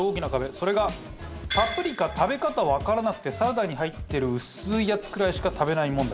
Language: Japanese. それがパプリカ食べ方わからなくてサラダに入ってる薄いやつくらいしか食べない問題。